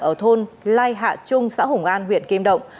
ở thôn lai hạ trung xã hùng an huyện kim động